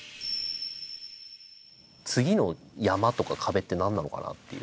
次の山とか壁って何なのかなっていう。